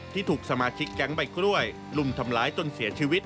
ที่ถูกสมาชิกแก๊งใบกล้วยลุมทำร้ายจนเสียชีวิต